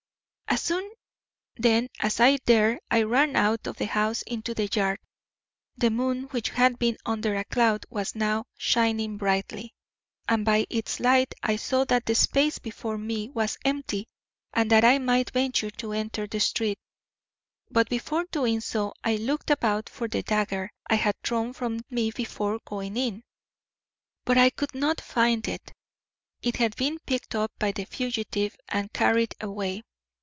"As soon, then, as I dared, I ran out of the house into the yard. The moon, which had been under a cloud, was now shining brightly, and by its light I saw that the space before me was empty and that I might venture to enter the street. But before doing so I looked about for the dagger I had thrown from me before going in, but I could not find it. It had been picked up by the fugitive and carried away.